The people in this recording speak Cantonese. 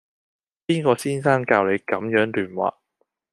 邊個先生教你咁樣亂畫